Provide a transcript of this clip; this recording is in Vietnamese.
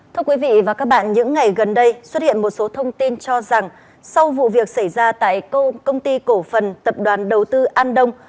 thưa quý vị và các bạn những ngày gần đây xuất hiện một số thông tin cho rằng sau vụ việc xảy ra tại công ty cổ phần tập đoàn đầu tư an đông